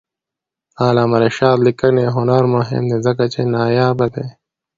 د علامه رشاد لیکنی هنر مهم دی ځکه چې نایابه دی.